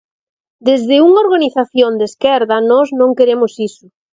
Desde unha organización de esquerda nós non queremos iso.